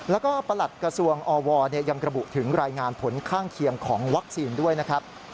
แล้วก็ประหลัดกระทรวงอวยังกระบุถึงรายงานผลข้างเคียงของวัคซีนด้วยนะครับ